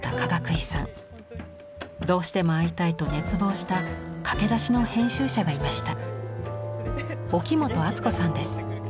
どうしても会いたいと熱望した駆け出しの編集者がいました。